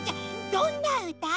どんなうた？